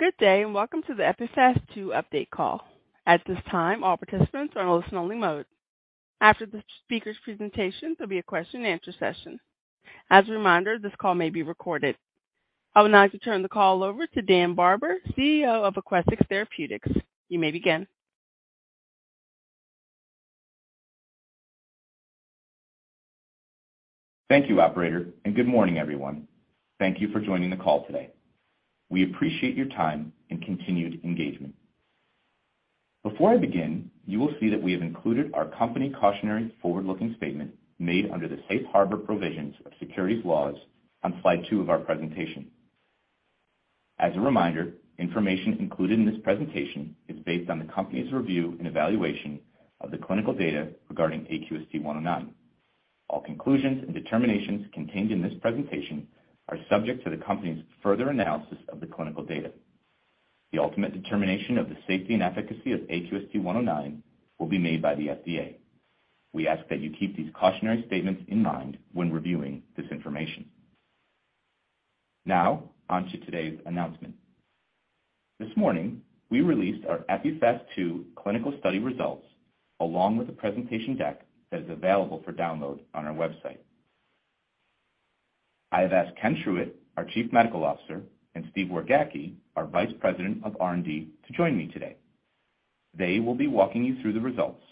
Good day, and welcome to the EPIPHAST II update call. At this time, all participants are in listen-only mode. After the speaker's presentation, there'll be a question-and-answer session. As a reminder, this call may be recorded. I would now like to turn the call over to Dan Barber, CEO of Aquestive Therapeutics. You may begin. Thank you, operator, and good morning, everyone. Thank you for joining the call today. We appreciate your time and continued engagement. Before I begin, you will see that we have included our company cautionary forward-looking statement made under the safe harbor provisions of securities laws on slide two of our presentation. As a reminder, information included in this presentation is based on the company's review and evaluation of the clinical data regarding AQST-109. All conclusions and determinations contained in this presentation are subject to the company's further analysis of the clinical data. The ultimate determination of the safety and efficacy of AQST-109 will be made by the FDA. We ask that you keep these cautionary statements in mind when reviewing this information. Now, on to today's announcement. This morning, we released our EPIPHAST II clinical study results, along with the presentation deck that is available for download on our website. I have asked Ken Truitt, our Chief Medical Officer, and Steve Wargacki, our Vice President of R&D, to join me today. They will be walking you through the results.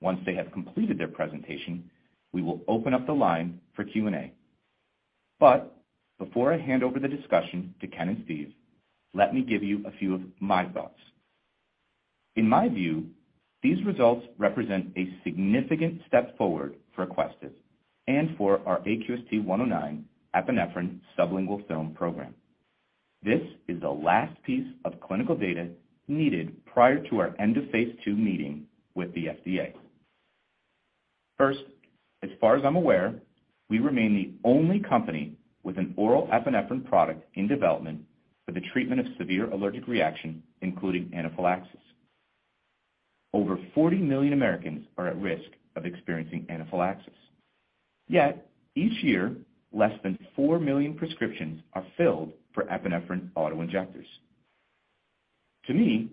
Once they have completed their presentation, we will open up the line for Q&A. Before I hand over the discussion to Ken and Steve, let me give you a few of my thoughts. In my view, these results represent a significant step forward for Aquestive and for our AQST-109 epinephrine sublingual film program. This is the last piece of clinical data needed prior to our end of phase II meeting with the FDA. First, as far as I'm aware, we remain the only company with an oral epinephrine product in development for the treatment of severe allergic reaction, including anaphylaxis. Over 40 million Americans are at risk of experiencing anaphylaxis. Yet each year, less than 4 million prescriptions are filled for epinephrine auto-injectors. To me,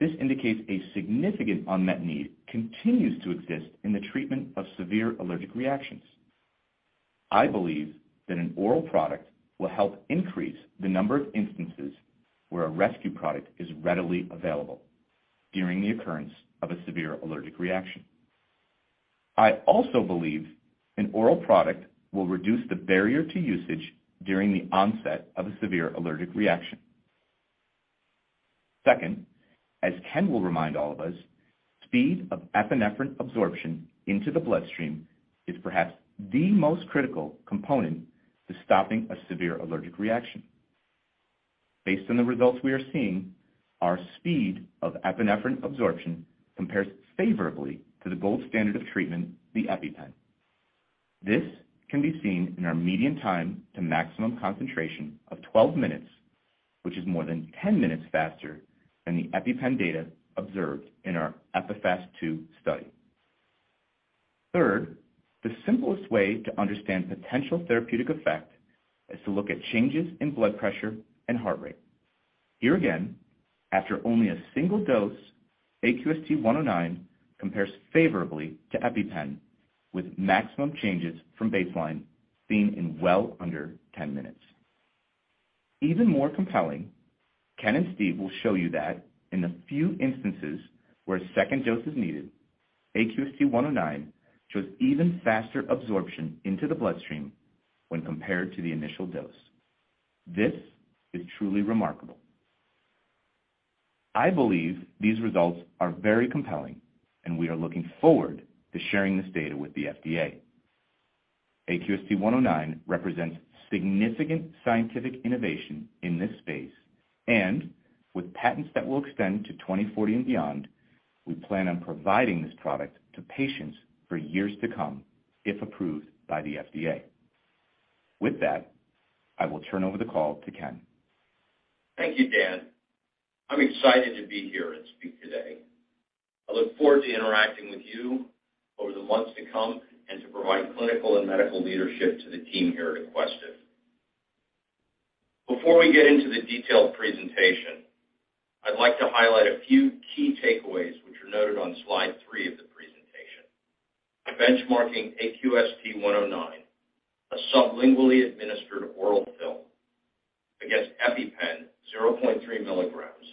this indicates a significant unmet need continues to exist in the treatment of severe allergic reactions. I believe that an oral product will help increase the number of instances where a rescue product is readily available during the occurrence of a severe allergic reaction. I also believe an oral product will reduce the barrier to usage during the onset of a severe allergic reaction. Second, as Ken will remind all of us, speed of epinephrine absorption into the bloodstream is perhaps the most critical component to stopping a severe allergic reaction. Based on the results we are seeing, our speed of epinephrine absorption compares favorably to the gold standard of treatment, the EpiPen. This can be seen in our median time to maximum concentration of 12 minutes, which is more than 10 minutes faster than the EpiPen data observed in our EPIPHAST II study. Third, the simplest way to understand potential therapeutic effect is to look at changes in blood pressure and heart rate. Here again, after only a single dose, AQST-109 compares favorably to EpiPen, with maximum changes from baseline seen in well under 10 minutes. Even more compelling, Ken and Steve will show you that in the few instances where a second dose is needed, AQST-109 shows even faster absorption into the bloodstream when compared to the initial dose. This is truly remarkable. I believe these results are very compelling, and we are looking forward to sharing this data with the FDA. AQST-109 represents significant scientific innovation in this space. With patents that will extend to 2040 and beyond, we plan on providing this product to patients for years to come, if approved by the FDA. With that, I will turn over the call to Ken. Thank you, Dan. I'm excited to be here and speak today. I look forward to interacting with you over the months to come and to provide clinical and medical leadership to the team here at Aquestive. Before we get into the detailed presentation, I'd like to highlight a few key takeaways, which are noted on slide 3 of the presentation. By benchmarking AQST-109, a sublingually administered oral film against EpiPen 0.3 milligrams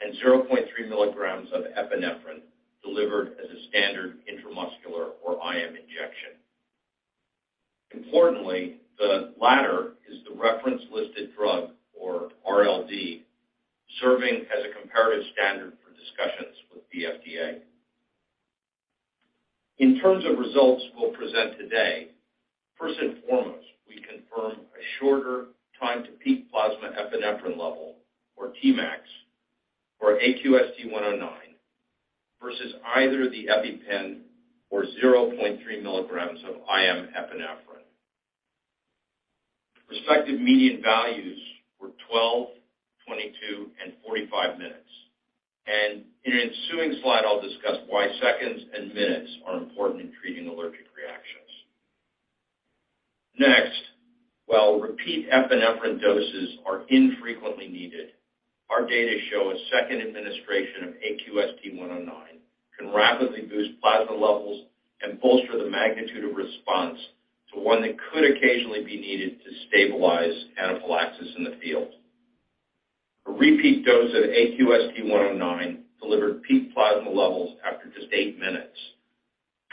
and 0.3 milligrams of epinephrine delivered as a standard intramuscular or IM injection. Importantly, the latter is the reference listed drug, or RLD, serving as a comparative standard for discussions with the FDA. In terms of results we'll present today, first and foremost, we confirm a shorter time to peak plasma epinephrine level, or Tmax for AQST-109 versus either the EpiPen or 0.3 milligrams of IM epinephrine. Respective median values were 12, 22, and 45 minutes. In an ensuing slide, I'll discuss why seconds and minutes are important in treating allergic reactions. Next, while repeat epinephrine doses are infrequently needed, our data show a second administration of AQST-109 can rapidly boost plasma levels and bolster the magnitude of response to one that could occasionally be needed to stabilize anaphylaxis in the field. A repeat dose of AQST-109 delivered peak plasma levels after just eight minutes,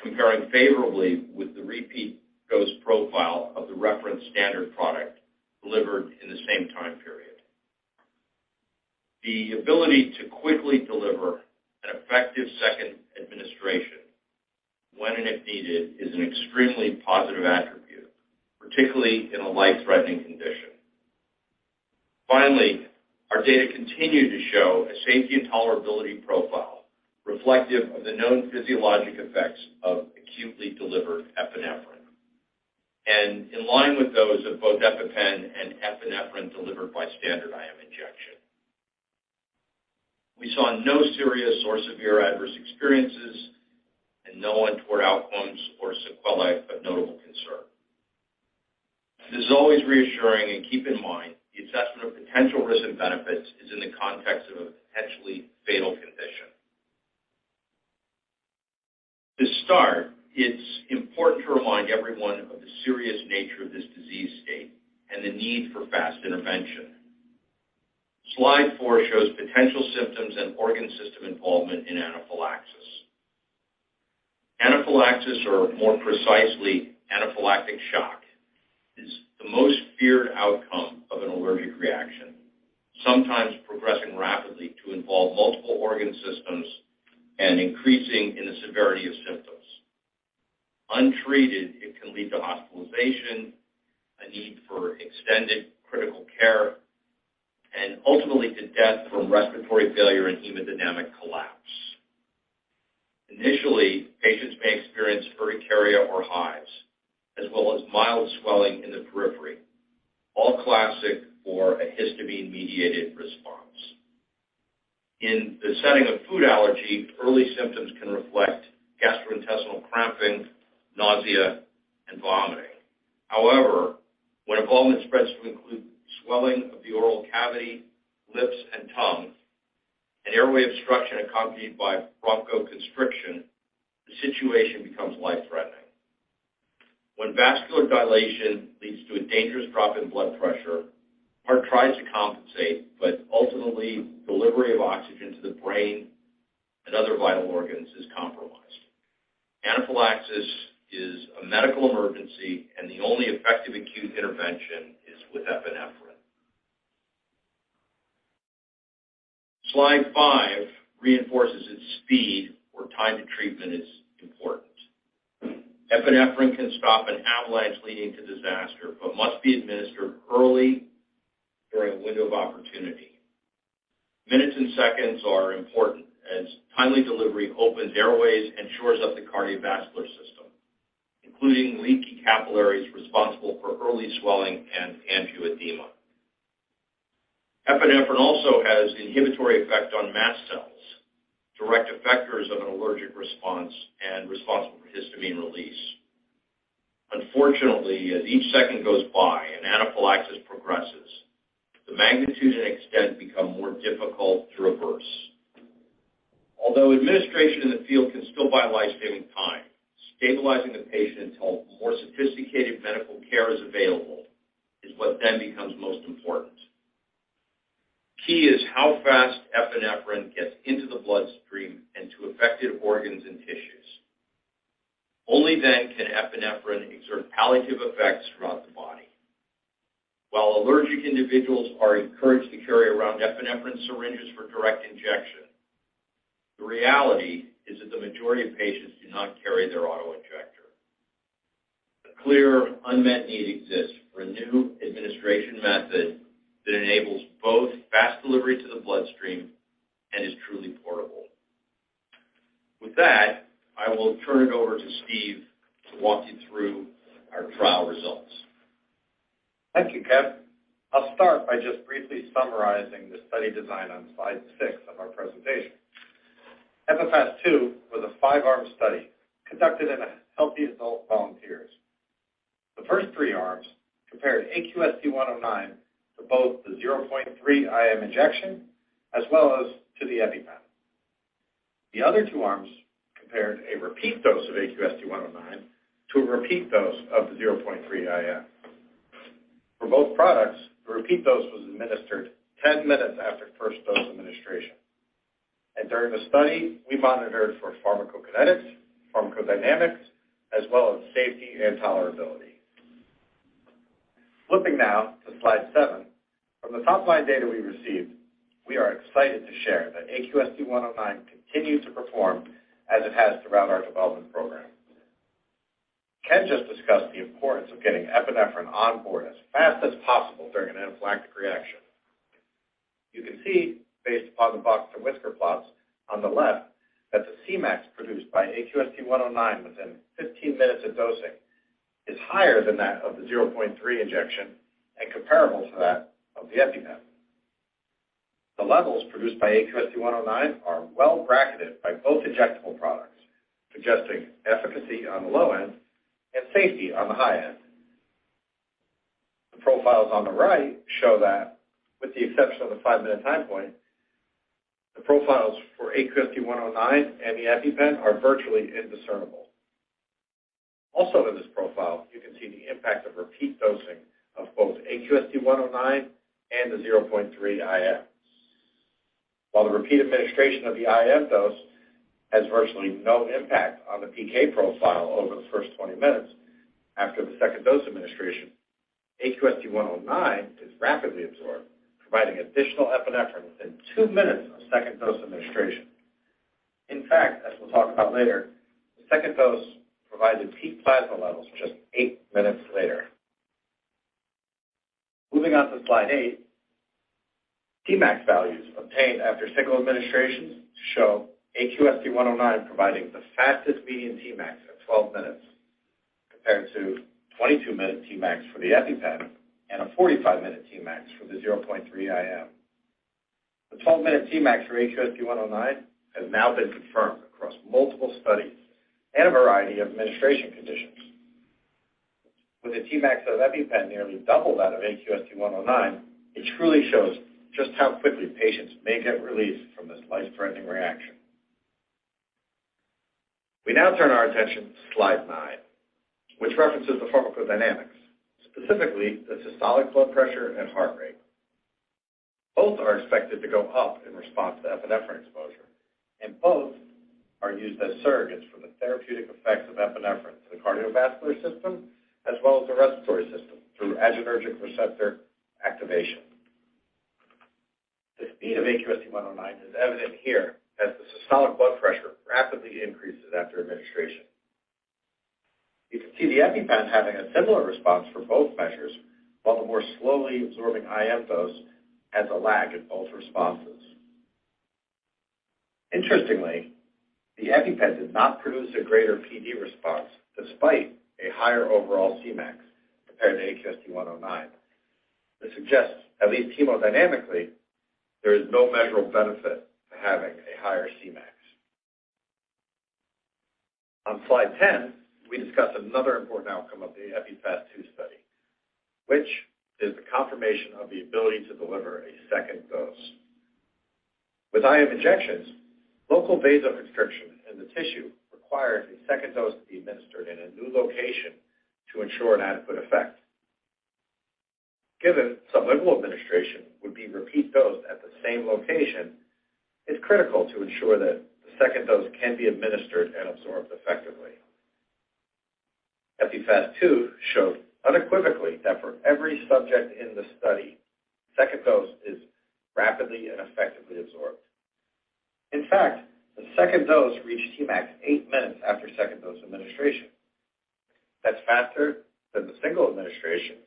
comparing favorably with the repeat dose profile of the reference standard product delivered in the same time period. The ability to quickly deliver an effective second administration when and if needed is an extremely positive attribute, particularly in a life-threatening condition. Finally, our data continue to show a safety and tolerability profile reflective of the known physiologic effects of acutely delivered epinephrine and in line with those of both EpiPen and epinephrine delivered by standard IM injection. We saw no serious or severe adverse experiences and no untoward outcomes or sequelae of notable concern. It is always reassuring, and keep in mind the assessment of potential risks and benefits is in the context of a potentially fatal condition. To start, it's important to remind everyone of the serious nature of this disease state and the need for fast intervention. Slide four shows potential symptoms and organ system involvement in anaphylaxis. Anaphylaxis, or more precisely, anaphylactic shock, is the most feared outcome of an allergic reaction. Sometimes progressing rapidly to involve multiple organ systems and increasing in the severity of symptoms. Untreated, it can lead to hospitalization, a need for extended critical care, and ultimately to death from respiratory failure and hemodynamic collapse. Initially, patients may experience urticaria or hives, as well as mild swelling in the periphery, all classic for a histamine-mediated response. In the setting of food allergy, early symptoms can reflect gastrointestinal cramping, nausea, and vomiting. However, when involvement spreads to include swelling of the oral cavity, lips and tongue, and airway obstruction accompanied by bronchoconstriction, the situation becomes life-threatening. When vascular dilation leads to a dangerous drop in blood pressure, heart tries to compensate, but ultimately delivery of oxygen to the brain and other vital organs is compromised. Anaphylaxis is a medical emergency, and the only effective acute intervention is with epinephrine. Slide five reinforces its speed where time to treatment is important. Epinephrine can stop an avalanche leading to disaster, but must be administered early during a window of opportunity. Minutes and seconds are important as timely delivery opens airways and shores up the cardiovascular system, including leaky capillaries responsible for early swelling and angioedema. Epinephrine also has inhibitory effect on mast cells, direct effectors of an allergic response and responsible for histamine release. Unfortunately, as each second goes by and anaphylaxis progresses, the magnitude and extent become more difficult to reverse. Although administration in the field can still buy life-saving time, stabilizing the patient until more sophisticated medical care is available is what then becomes most important. Key is how fast epinephrine gets into the bloodstream and to affected organs and tissues. Only then can epinephrine exert palliative effects throughout the body. While allergic individuals are encouraged to carry around epinephrine syringes for direct injection, the reality is that the majority of patients do not carry their auto-injector. A clear unmet need exists for a new administration method that enables both fast delivery to the bloodstream and is truly portable. With that, I will turn it over to Steve to walk you through our trial results. Thank you, Ken. I'll start by just briefly summarizing the study design on slide six of our presentation. EPIPHAST II was a five-arm study conducted in healthy adult volunteers. The first three arms compared AQST-109 to both the 0.3 IM injection as well as to the EpiPen. The other two arms compared a repeat dose of AQST-109 to a repeat dose of the 0.3 IM. For both products, the repeat dose was administered 10 minutes after first dose administration. During the study, we monitored for pharmacokinetics, pharmacodynamics, as well as safety and tolerability. Flipping now to slide seven. From the top-line data we received, we are excited to share that AQST-109 continues to perform as it has throughout our development program. Ken just discussed the importance of getting epinephrine on board as fast as possible during an anaphylactic reaction. You can see, based upon the box and whisker plots on the left, that the Cmax produced by AQST-109 within 15 minutes of dosing is higher than that of the 0.3 injection and comparable to that of the EpiPen. The levels produced by AQST-109 are well bracketed by both injectable products, suggesting efficacy on the low end and safety on the high end. The profiles on the right show that with the exception of the five-minute time point, the profiles for AQST-109 and the EpiPen are virtually indiscernible. Also, in this profile, you can see the impact of repeat dosing of both AQST-109 and the 0.3 IM. While the repeat administration of the IM dose has virtually no impact on the PK profile over the first 20 minutes after the second dose administration, AQST-109 is rapidly absorbed, providing additional epinephrine within two minutes of second dose administration. In fact, as we'll talk about later, the second dose provided peak plasma levels just 8 minutes later. Moving on to slide 8. Tmax values obtained after single administrations show AQST-109 providing the fastest median Tmax at 12 minutes compared to 22-minute Tmax for the EpiPen and a 45-minute Tmax for the 0.3 IM. The 12-minute Tmax for AQST-109 has now been confirmed across multiple studies and a variety of administration conditions. With the Tmax of EpiPen nearly double that of AQST-109, it truly shows just how quickly patients may get relief from this life-threatening reaction. We now turn our attention to slide 9, which references the pharmacodynamics, specifically the systolic blood pressure and heart rate. Both are expected to go up in response to epinephrine exposure, and both are used as surrogates for the therapeutic effects of epinephrine to the cardiovascular system as well as the respiratory system through adrenergic receptor activation. The speed of AQST-109 is evident here as the systolic blood pressure rapidly increases after administration. You can see the EpiPen having a similar response for both measures, while the more slowly absorbing IM dose has a lag in both responses. Interestingly, the EpiPen did not produce a greater PD response despite a higher overall Cmax compared to AQST-109. This suggests, at least hemodynamically, there is no measurable benefit to having a higher Cmax. On slide 10, we discuss another important outcome of the EPIPHAST II study, which is the confirmation of the ability to deliver a second dose. With IM injections, local vasoconstriction in the tissue requires a second dose to be administered in a new location to ensure an adequate effect. Given sublingual administration would be repeat dose at the same location, it's critical to ensure that the second dose can be administered and absorbed effectively. EPIPHAST II showed unequivocally that for every subject in the study, second dose is rapidly and effectively absorbed. In fact, the second dose reached Tmax 8 minutes after second dose administration. That's faster than the single administration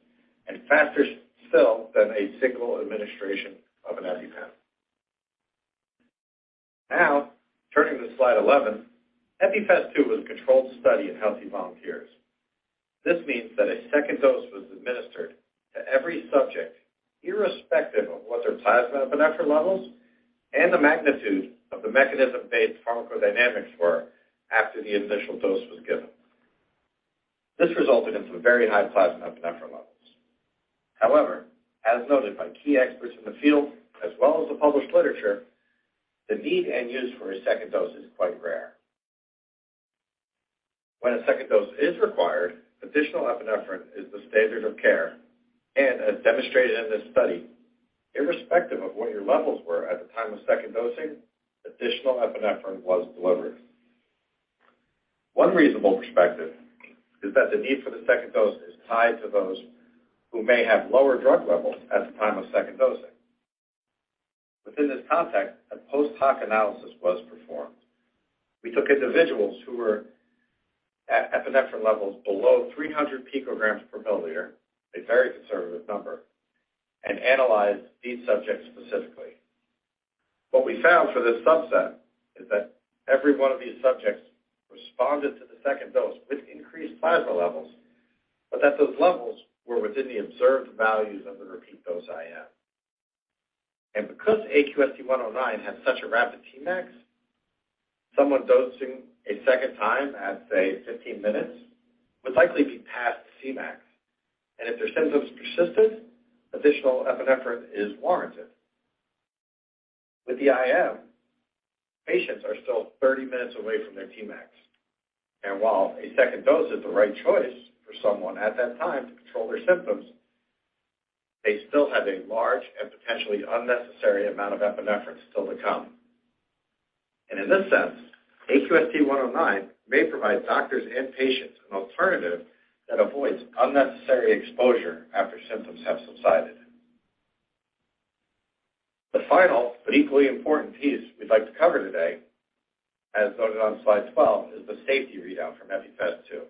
and faster still than a single administration of an EpiPen. Now, turning to slide eleven. EPIPHAST II was a controlled study in healthy volunteers. This means that a second dose was administered to every subject, irrespective of what their plasma epinephrine levels and the magnitude of the mechanism-based pharmacodynamics were after the initial dose was given. This resulted in some very high plasma epinephrine levels. However, as noted by key experts in the field as well as the published literature, the need and use for a second dose is quite rare. When a second dose is required, additional epinephrine is the standard of care. As demonstrated in this study, irrespective of what your levels were at the time of second dosing, additional epinephrine was delivered. One reasonable perspective is that the need for the second dose is tied to those who may have lower drug levels at the time of second dosing. Within this context, a post-hoc analysis was performed. We took individuals who were at epinephrine levels below 300 picograms per milliliter, a very conservative number, and analyzed these subjects specifically. What we found for this subset is that every one of these subjects responded to the second dose with increased plasma levels, but that those levels were within the observed values of the repeat dose IM. Because AQST-109 has such a rapid Tmax, someone dosing a second time at, say, 15 minutes would likely be past Cmax. If their symptoms persisted, additional epinephrine is warranted. With the IM, patients are still 30 minutes away from their Tmax. While a second dose is the right choice for someone at that time to control their symptoms, they still have a large and potentially unnecessary amount of epinephrine still to come. In this sense, AQST-109 may provide doctors and patients an alternative that avoids unnecessary exposure after symptoms have subsided. The final but equally important piece we'd like to cover today, as noted on slide 12, is the safety readout from EPIPHAST II.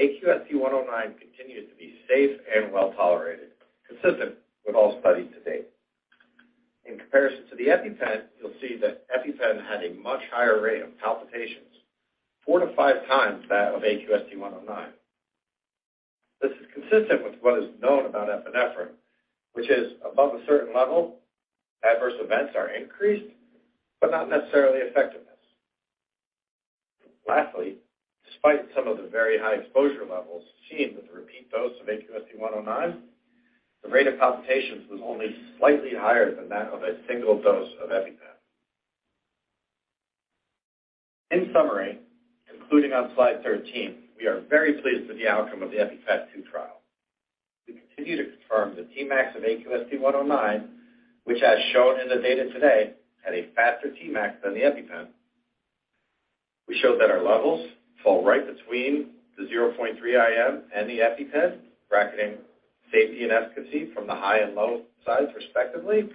AQST-109 continued to be safe and well tolerated, consistent with all studies to date. In comparison to the EpiPen, you'll see that EpiPen had a much higher rate of palpitations, 4x-5x that of AQST-109. This is consistent with what is known about epinephrine, which is above a certain level, adverse events are increased, but not necessarily effectiveness. Lastly, despite some of the very high exposure levels seen with the repeat dose of AQST-109, the rate of palpitations was only slightly higher than that of a single dose of EpiPen. In summary, concluding on slide 13, we are very pleased with the outcome of the EPIPHAST II trial. We continue to confirm the Cmax of AQST-109, which as shown in the data today, had a faster Tmax than the EpiPen. We showed that our levels fall right between the 0.3 IM and the EpiPen, bracketing safety and efficacy from the high and low sides respectively.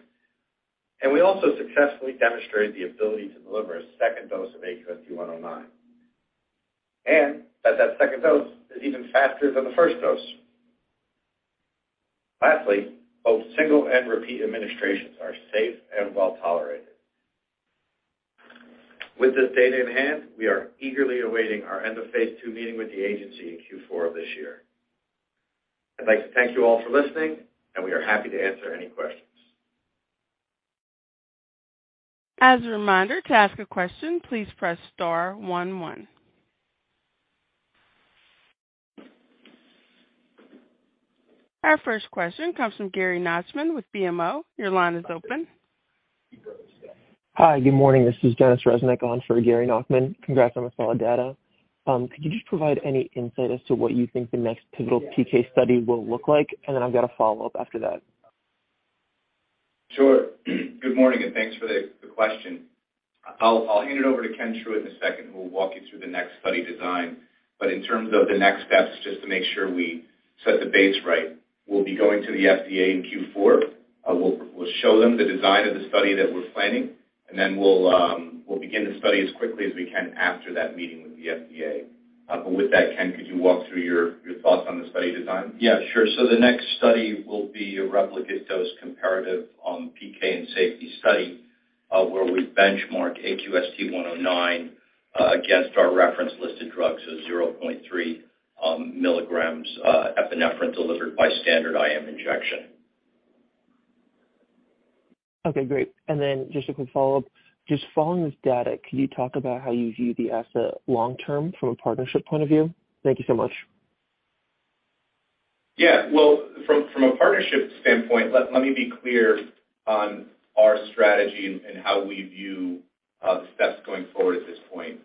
We also successfully demonstrated the ability to deliver a second dose of AQST-109, and that second dose is even faster than the first dose. Lastly, both single and repeat administrations are safe and well tolerated. With this data in hand, we are eagerly awaiting our end of phase II meeting with the agency in Q4 of this year. I'd like to thank you all for listening, and we are happy to answer any questions. As a reminder, to ask a question, please press star one one. Our first question comes from Gary Nachman with BMO. Your line is open. Hi. Good morning. This is Denis Reznik on for Gary Nachman. Congrats on the solid data. Could you just provide any insight as to what you think the next pivotal PK study will look like? I've got a follow-up after that. Sure. Good morning, and thanks for the question. I'll hand it over to Ken Truitt in a second, who will walk you through the next study design. In terms of the next steps, just to make sure we set the base right, we'll be going to the FDA in Q4. We'll show them the design of the study that we're planning, and then we'll begin the study as quickly as we can after that meeting with the FDA. With that, Ken, could you walk through your thoughts on the study design? Yeah, sure. The next study will be a replicate dose comparative, PK and safety study, where we benchmark AQST-109 against our reference-listed drug, so 0.3 milligrams, epinephrine delivered by standard IM injection. Okay, great. Just a quick follow-up. Just following this data, could you talk about how you view the asset long term from a partnership point of view? Thank you so much. Yeah. Well, from a partnership standpoint, let me be clear on our strategy and how we view the steps going forward at this point.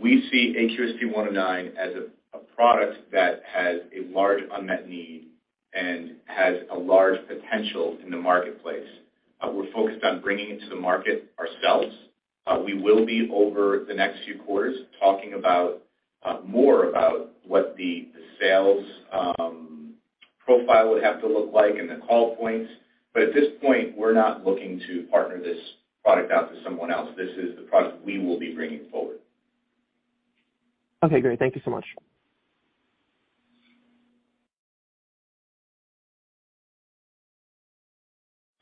We see AQST-109 as a product that has a large unmet need and has a large potential in the marketplace. We're focused on bringing it to the market ourselves. We will be, over the next few quarters, talking about more about what the sales profile would have to look like and the call points. At this point, we're not looking to partner this product out to someone else. This is the product we will be bringing forward. Okay, great. Thank you so much.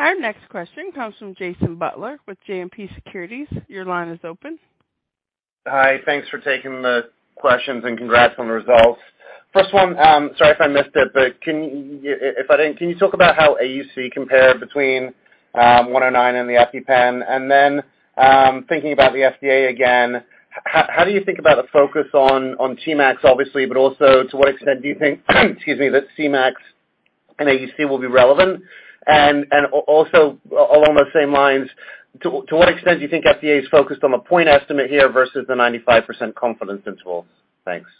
Our next question comes from Jason Butler with JMP Securities. Your line is open. Hi. Thanks for taking the questions and congrats on the results. First one, sorry if I missed it, but can you, if I didn't, can you talk about how AUC compared between 109 and the EpiPen? And then, thinking about the FDA again, how do you think about the focus on Cmax obviously, but also to what extent do you think, excuse me, that Cmax and AUC will be relevant? And also along those same lines, to what extent do you think FDA is focused on the point estimate here versus the 95% confidence interval? Thanks.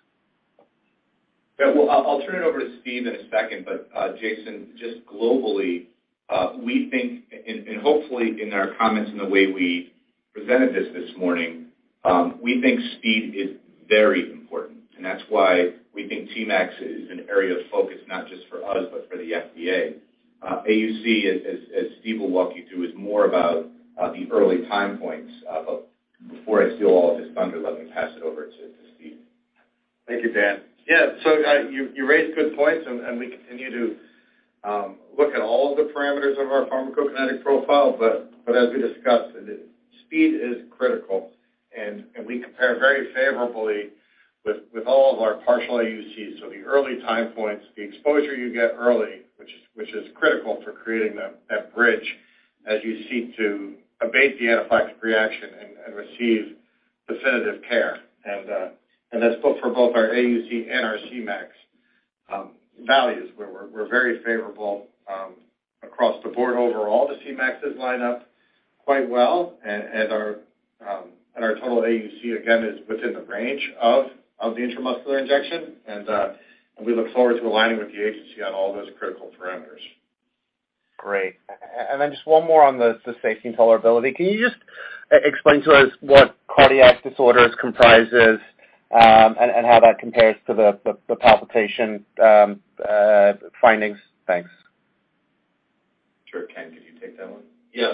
Yeah. Well, I'll turn it over to Steve in a second. Jason, just globally, we think and hopefully in our comments in the way we presented this morning, we think speed is very important. That's why we think Cmax is an area of focus, not just for us but for the FDA. AUC as Steve will walk you through, is more about the early time points. Before I steal all of his thunder, let me pass it over to Steve. Thank you, Dan. Yeah, you raised good points, and we continue to look at all of the parameters of our pharmacokinetic profile. As we discussed, speed is critical, and we compare very favorably with all of our partial AUCs. The early time points, the exposure you get early, which is critical for creating that bridge as you seek to abate the anaphylactic reaction and receive definitive care. That's both for our AUC and our Cmax values where we're very favorable across the board. Overall, the Cmaxes line up quite well and our total AUC again is within the range of the intramuscular injection. We look forward to aligning with the agency on all those critical parameters. Great. Just one more on the safety and tolerability. Can you just explain to us what cardiac disorders comprises, and how that compares to the palpitation findings? Thanks. Sure. Ken, can you take that one? Yeah.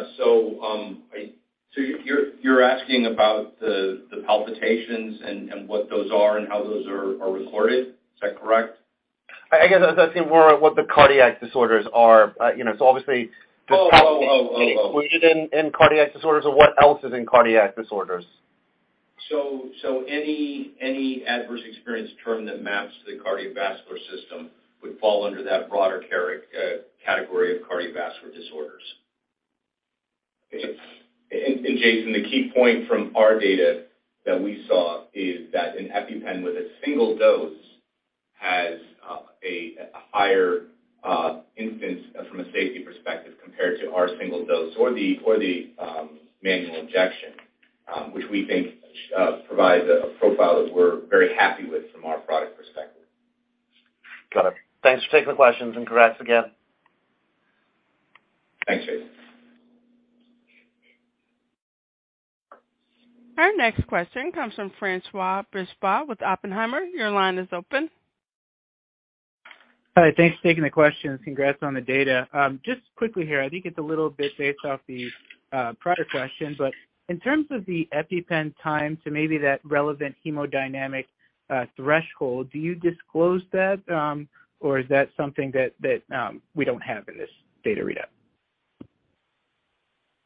You're asking about the palpitations and what those are and how those are recorded. Is that correct? I guess I was asking more what the cardiac disorders are. You know, obviously. Oh. in cardiac disorders or what else is in cardiac disorders? Any adverse experience term that maps the cardiovascular system would fall under that broader category of cardiovascular disorders. Jason, the key point from our data that we saw is that an EpiPen with a single dose has a higher incidence from a safety perspective compared to our single dose or the manual injection, which we think provides a profile that we're very happy with from our product perspective. Got it. Thanks for taking the questions and congrats again. Thanks, Jason. Our next question comes from Francois Brisebois with Oppenheimer. Your line is open. Hi. Thanks for taking the question. Congrats on the data. Just quickly here, I think it's a little bit based off the prior question, but in terms of the EpiPen time to maybe that relevant hemodynamic threshold, do you disclose that, or is that something that we don't have in this data readout?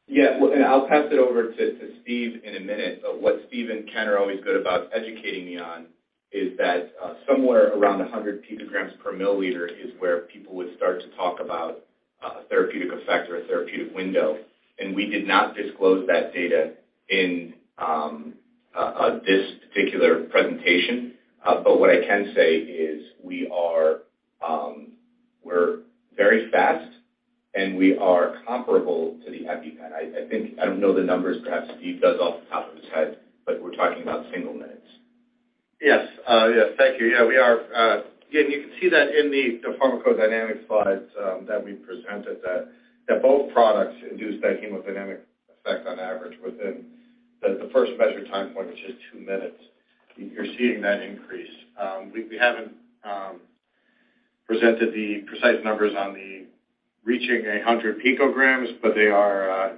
Yeah. Well, I'll pass it over to Steve in a minute. What Steve and Ken are always good about educating me on is that somewhere around 100 picograms per milliliter is where people would start to talk about therapeutic effect or a therapeutic window. We did not disclose that data in this particular presentation. What I can say is we're very fast and we are comparable to the EpiPen. I think I don't know the numbers. Perhaps Steve does off the top of his head, but we're talking about single minutes. Yes. Yes. Thank you. Yeah, we are. Yeah, you can see that in the pharmacodynamic slides that we presented that both products induce that hemodynamic effect on average within the first measured time point, which is two minutes. You're seeing that increase. We haven't presented the precise numbers on reaching 100 picograms, but they are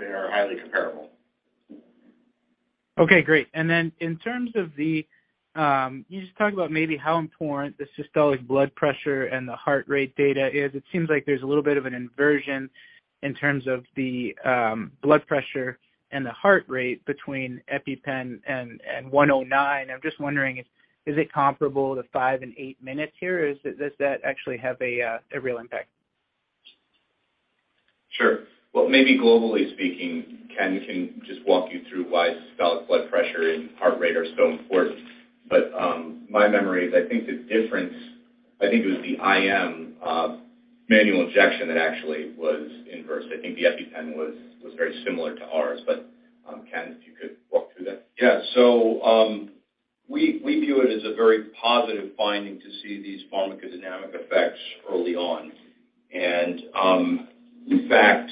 highly comparable. Okay, great. In terms of the you just talked about maybe how important the systolic blood pressure and the heart rate data is. It seems like there's a little bit of an inversion in terms of the blood pressure and the heart rate between EpiPen and AQST-109. I'm just wondering, is it comparable to 5 and 8 minutes here or is it, does that actually have a real impact? Sure. Well, maybe globally speaking, Ken can just walk you through why systolic blood pressure and heart rate are so important. My memory is I think the difference, I think it was the IM manual injection that actually was inversed. I think the EpiPen was very similar to ours. Ken, if you could walk through that. Yeah. We view it as a very positive finding to see these pharmacodynamic effects early on. In fact,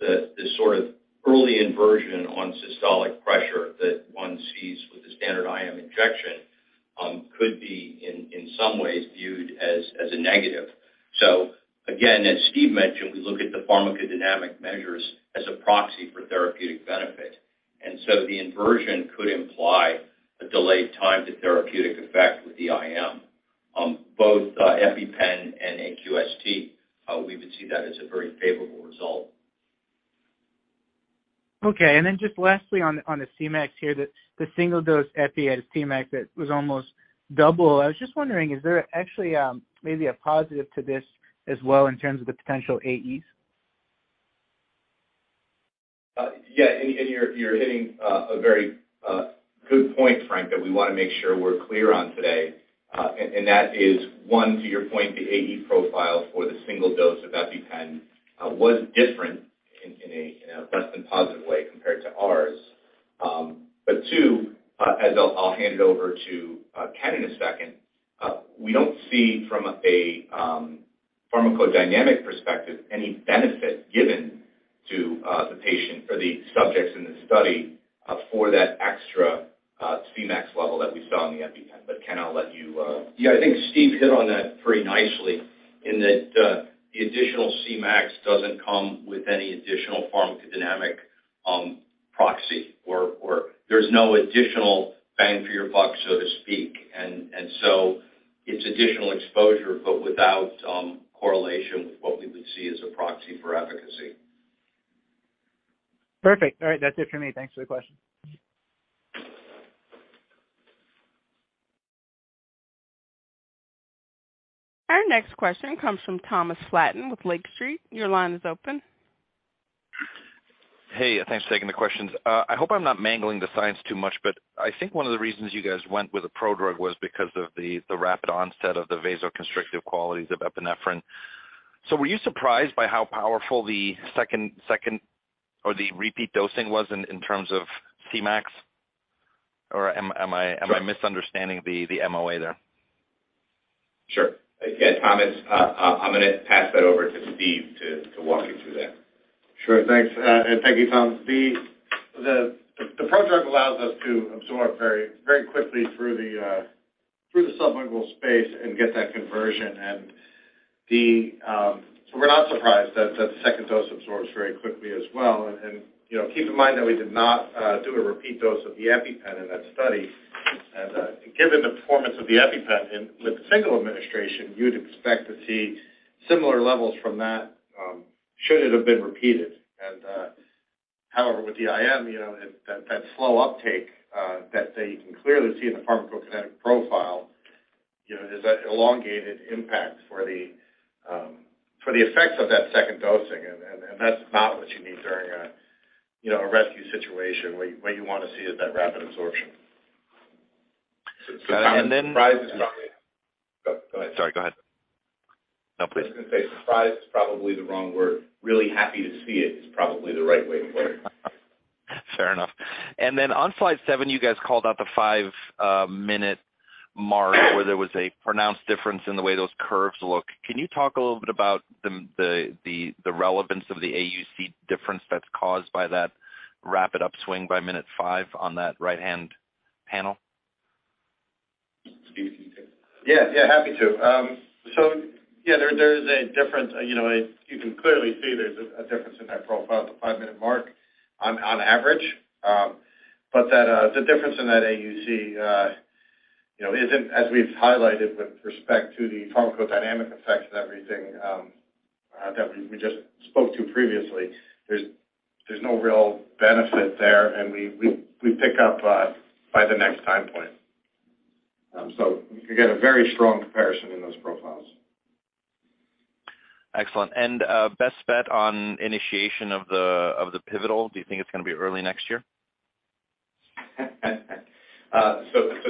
the sort of early inversion on systolic pressure that one sees with the standard IM injection could be in some ways viewed as a negative. Again, as Steve mentioned, we look at the pharmacodynamic measures as a proxy for therapeutic benefit. The inversion could imply a delayed time to therapeutic effect with the IM. Both EpiPen and AQST we would see that as a very favorable result. Okay. Then just lastly on the Cmax here, the single dose epi at a Cmax that was almost double. I was just wondering, is there actually maybe a positive to this as well in terms of the potential AEs? Yeah. You're hitting a very good point, Frank, that we wanna make sure we're clear on today. That is one, to your point, the AE profile for the single dose of EpiPen was different in a less than positive way compared to ours. Two, as I'll hand it over to Ken in a second. We don't see from a pharmacodynamic perspective any benefit given to the patient or the subjects in the study for that extra Cmax level that we saw on the EpiPen. Ken, I'll let you Yeah, I think Steve hit on that pretty nicely in that, the additional Cmax doesn't come with any additional pharmacodynamic proxy or there's no additional bang for your buck, so to speak. It's additional exposure, but without correlation with what we would see as a proxy for efficacy. Perfect. All right. That's it for me. Thanks for the question. Our next question comes from Thomas Flaten with Lake Street. Your line is open. Hey. Thanks for taking the questions. I hope I'm not mangling the science too much, but I think one of the reasons you guys went with a prodrug was because of the rapid onset of the vasoconstrictive qualities of epinephrine. Were you surprised by how powerful the second or the repeat dosing was in terms of Cmax? Or am I misunderstanding the MOA there? Sure. Yeah. Thomas, I'm gonna pass that over to Steve to walk you through that. Sure. Thanks. Thank you, Tom. The prodrug allows us to absorb very, very quickly through the submucosal space and get that conversion. We're not surprised that the second dose absorbs very quickly as well. You know, keep in mind that we did not do a repeat dose of the EpiPen in that study. Given the performance of the EpiPen with the single administration, you'd expect to see similar levels from that. Should it have been repeated? However, with the IM, you know, that slow uptake that they can clearly see in the pharmacokinetic profile, you know, is that elongated impact for the effects of that second dosing, and that's not what you need during a, you know, a rescue situation where what you wanna see is that rapid absorption. And then- Surprise is probably. Go ahead. Sorry, go ahead. No, please. I was gonna say surprised is probably the wrong word. Really happy to see it is probably the right way to put it. Fair enough. Then on slide seven, you guys called out the 5-minute mark where there was a pronounced difference in the way those curves look. Can you talk a little bit about the relevance of the AUC difference that's caused by that rapid upswing by minute 5 on that right-hand panel? Steve, you can take it. Yeah. Yeah, happy to. Yeah, there is a difference. You know, you can clearly see there's a difference in that profile at the five-minute mark on average. But the difference in that AUC, you know, isn't as we've highlighted with respect to the pharmacodynamic effects and everything that we just spoke to previously. There's no real benefit there, and we pick up by the next time point. Again, a very strong comparison in those profiles. Excellent. Best bet on initiation of the pivotal. Do you think it's gonna be early next year?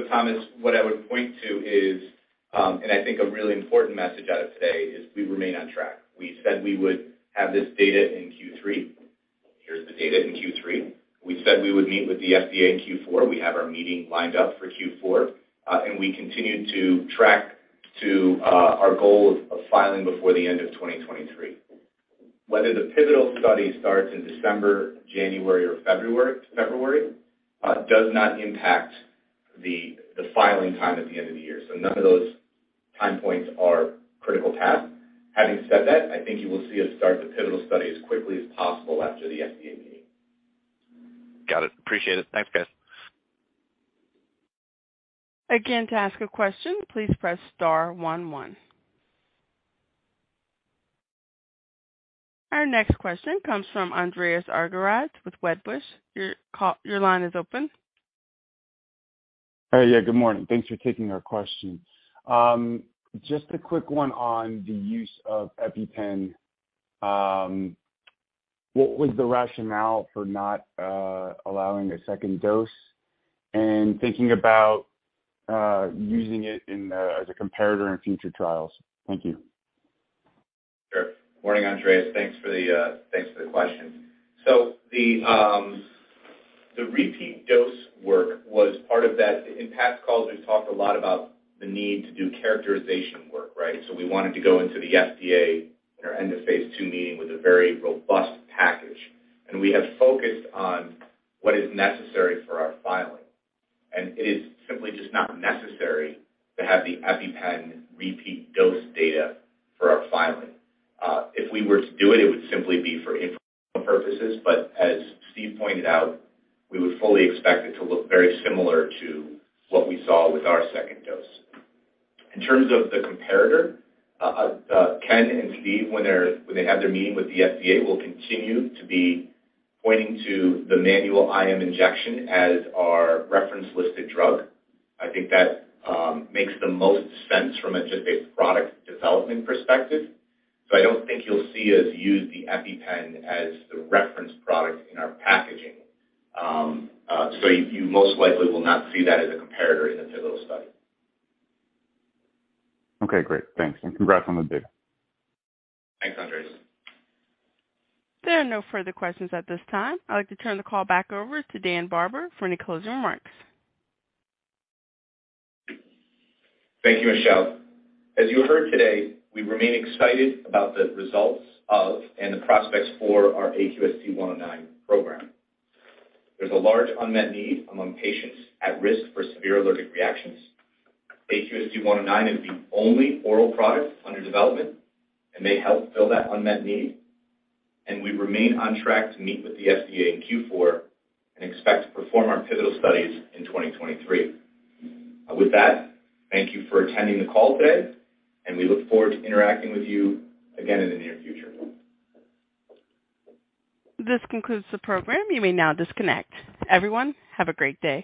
Thomas, what I would point to is, and I think a really important message out of today is we remain on track. We said we would have this data in Q3. Here's the data in Q3. We said we would meet with the FDA in Q4. We have our meeting lined up for Q4. We continue to track to our goal of filing before the end of 2023. Whether the pivotal study starts in December, January or February does not impact the filing time at the end of the year. None of those time points are critical tasks. Having said that, I think you will see us start the pivotal study as quickly as possible after the FDA meeting. Got it. Appreciate it. Thanks, guys. Again, to ask a question, please press star one one. Our next question comes from Andreas Argyrides with Wedbush. Your line is open. Hey. Yeah, good morning. Thanks for taking our question. Just a quick one on the use of EpiPen. What was the rationale for not allowing a second dose and thinking about using it as a comparator in future trials? Thank you. Sure. Morning, Andreas. Thanks for the question. The repeat dose work was part of that. In past calls, we've talked a lot about the need to do characterization work, right? We wanted to go into the FDA in our end of phase II meeting with a very robust package, and we have focused on what is necessary for our filing. It is simply just not necessary to have the EpiPen repeat dose data for our filing. If we were to do it would simply be for informational purposes. As Steve pointed out, we would fully expect it to look very similar to what we saw with our second dose. In terms of the comparator, Ken and Steve, when they have their meeting with the FDA, will continue to be pointing to the manual IM injection as our reference-listed drug. I think that makes the most sense from just a product development perspective. I don't think you'll see us use the EpiPen as the reference product in our packaging. You most likely will not see that as a comparator in the pivotal study. Okay, great. Thanks, and congrats on the data. Thanks, Andreas. There are no further questions at this time. I'd like to turn the call back over to Dan Barber for any closing remarks. Thank you, Michelle. As you heard today, we remain excited about the results of and the prospects for our AQST-109 program. There's a large unmet need among patients at risk for severe allergic reactions. AQST-109 is the only oral product under development and may help fill that unmet need. We remain on track to meet with the FDA in Q4 and expect to perform our pivotal studies in 2023. With that, thank you for attending the call today, and we look forward to interacting with you again in the near future. This concludes the program. You may now disconnect. Everyone, have a great day.